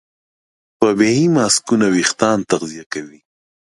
طبیعي ماسکونه وېښتيان تغذیه کوي.